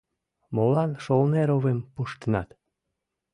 — Молан Шолнеровым пуштынат?